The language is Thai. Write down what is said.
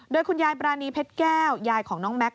โดยคุณยายปรานีเพชรแก้วยายของน้องแม็กซ